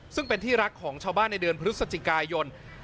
ซึ่งเป็นที่รักของชาวบ้านในเดือนพฤศจิกายน